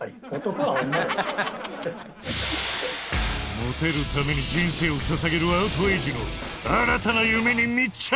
モテるために人生を捧げるアウトエイジの新たな夢に密着